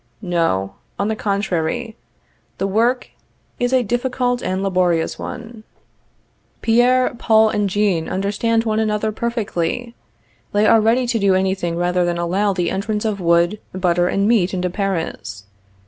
_ No; on the contrary, the work is a difficult and laborious one. Pierre, Paul and Jean understand one another perfectly. They are ready to do anything rather than allow the entrance of wood, butter and meat into Paris.